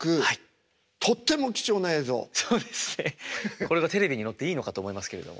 これがテレビに乗っていいのかと思いますけれども。